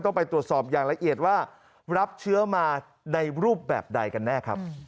ต้องไปตรวจสอบอย่างละเอียดว่ารับเชื้อมาในรูปแบบใดกันแน่ครับ